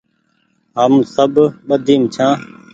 هم سب ٻڌيم ڇآن